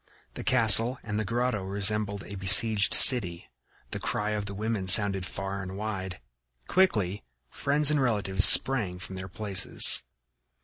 The castle and the grotto resembled a besieged city; the cry of the women sounded far and wide. Quickly friends and relatives sprang from their places.